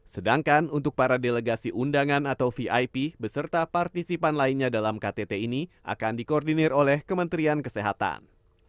sedangkan untuk para delegasi undangan atau vip beserta partisipan lainnya dalam ktt ini akan dikoordinir oleh kementerian kesehatan